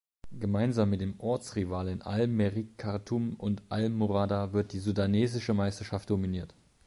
Gemeinsam mit den Ortsrivalen al-Merrikh Khartum und al-Mourada wird die sudanesische Meisterschaft dominiert.